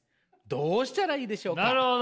どうしたらいいでしょうか？」。